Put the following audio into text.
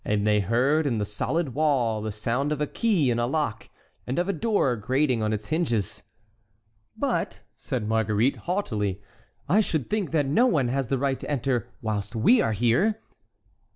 And they heard in the solid wall the sound of a key in a lock, and of a door grating on its hinges. "But," said Marguerite, haughtily, "I should think that no one has the right to enter whilst we are here!"